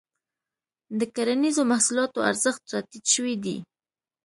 د کرنیزو محصولاتو ارزښت راټيټ شوی دی.